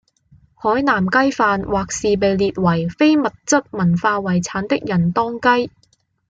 海南雞飯或是被列為非物質文化遺產的仁當雞